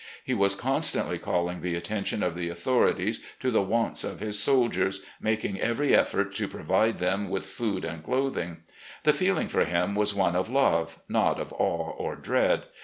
He was constantly calling the attention of the authorities to the wants of his soldiers, making every effort to provide them with food and clothing. The feeling for him was one of love, not of awe or dread.